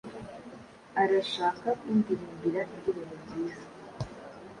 Arashaka kundirimbira indirimbo nziza